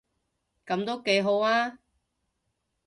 噉都幾好吖